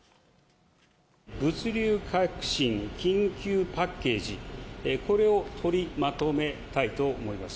物流革新緊急パッケージ、これを取りまとめたいと思います。